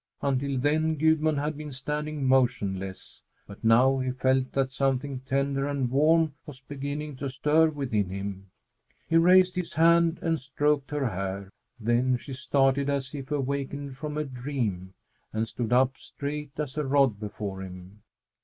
Until then Gudmund had been standing motionless, but now he felt that something tender and warm was beginning to stir within him. He raised his hand and stroked her hair. Then she started, as if awakened from a dream, and stood up straight as a rod before him.